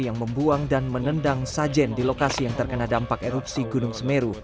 yang membuang dan menendang sajen di lokasi yang terkena dampak erupsi gunung semeru